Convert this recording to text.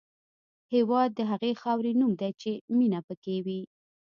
هېواد د هغې خاورې نوم دی چې مینه پکې وي.